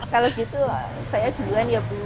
kalau gitu saya duluan ya bu